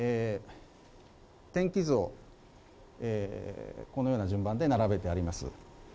天気図をこのような順番で並べてあります。